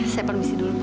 saya permisi dulu bu